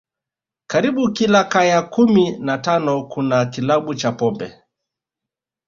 Karibu kila kaya kumi na tano kuna kilabu cha pombe